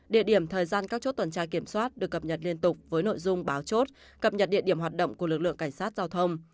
địa điểm thời gian các chốt tuần tra kiểm soát được cập nhật liên tục với nội dung báo chốt cập nhật địa điểm hoạt động của lực lượng cảnh sát giao thông